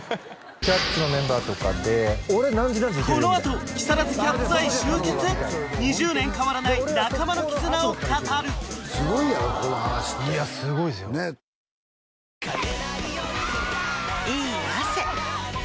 「キャッツ」のメンバーとかで俺何時何時行けるよみたいなこのあと２０年変わらない仲間の絆を語るすごいやろこの話っていやすごいですよいい汗。